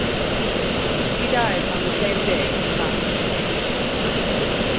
He died on the same day in hospital.